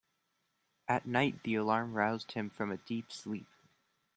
At night the alarm roused him from a deep sleep.